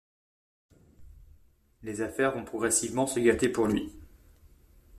Les affaires vont progressivement se gâter pour lui.